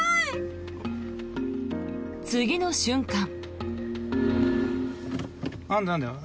次の瞬間。